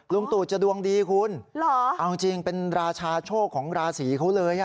ลุงตู่จะดวงดีคุณเอาจริงเป็นราชาโชคของราศีเขาเลย